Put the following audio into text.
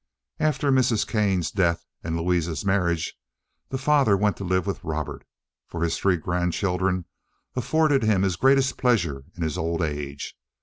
After Mrs. Kane's death and Louise's marriage, the father went to live with Robert, for his three grandchildren afforded him his greatest pleasure in his old age.